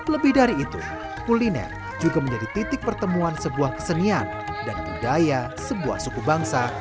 lebih dari itu kuliner juga menjadi titik pertemuan sebuah kesenian dan budaya sebuah suku bangsa